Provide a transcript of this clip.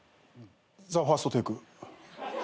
ＴＨＥＦＩＲＳＴＴＡＫＥ。